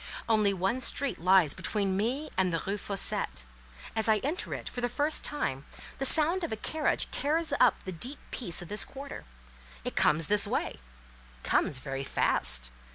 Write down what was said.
Only one street lies between me and the Rue Fossette; as I enter it, for the first time, the sound of a carriage tears up the deep peace of this quarter. It comes this way—comes very fast.